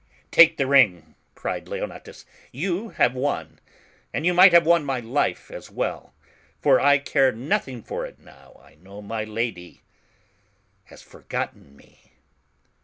((' Take the ring," cried Leonatus, "you have won, and you might have won my life as well, for I care nothing for it now I know my lady has forgotten me."